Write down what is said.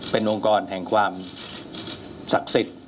เป็นองค์กรแห่งความศักดิ์สิทธิ์